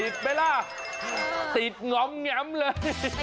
ติดนี่ล่ะติดง้อมเนยำเลย